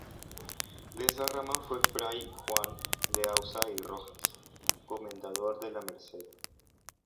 De esa rama fue fray Juan de Ausa y Rojas, Comendador de la Merced.